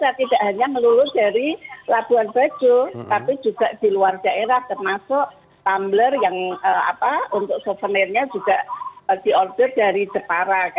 jadi kita tidak hanya melulut dari labuan bejo tapi juga di luar daerah termasuk tumbler yang untuk souvenirnya juga di order dari jepara